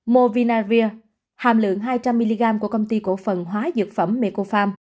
movinavir hàm lượng hai trăm linh mg của công ty cổ phần hóa dược phẩm mekopharm